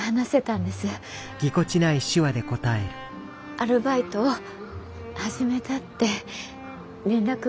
アルバイトを始めたって連絡がありまして。